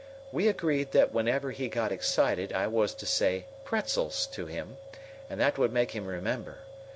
"We agreed that whenever he got excited I was to say 'pretzels' to him, and that would make him remember.